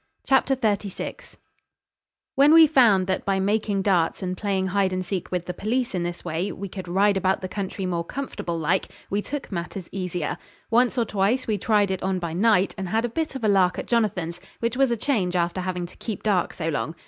Chapter 36 When we found that by making darts and playing hide and seek with the police in this way we could ride about the country more comfortable like, we took matters easier. Once or twice we tried it on by night, and had a bit of a lark at Jonathan's, which was a change after having to keep dark so long.